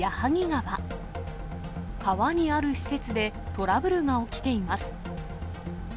川にある施設でトラブルが起きています。